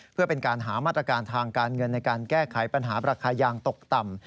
เพื่อเป็นการหามาตรการทางการเงินในการแก้ไขปัญหาราคายางตกต่ำ